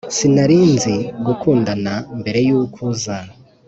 sinarinzi gukundana mbere y’ukuza